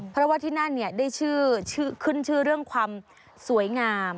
เพราะว่าที่นั่นได้ชื่อขึ้นชื่อเรื่องความสวยงาม